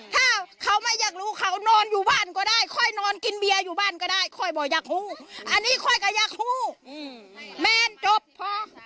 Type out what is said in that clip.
ถ้าเขาไม่อยากรู้เขานอนอยู่บ้านก็ได้ค่อยนอนกินเบียร์อยู่บ้านก็ได้ค่อยบอกอยากหู้อันนี้ค่อยก็ยักหู้แมนจบพอ